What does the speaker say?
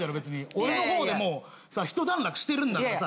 俺の方でもうひと段落してるんだからさ。